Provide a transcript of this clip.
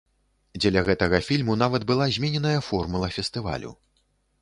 Дзеля гэтага фільму нават была змененая формула фестывалю.